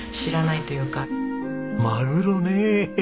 マグロねえ。